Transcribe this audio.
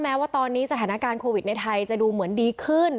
แม้ว่าตอนนี้สถานการณ์โควิดในไทยจะดูเหมือนดีขึ้น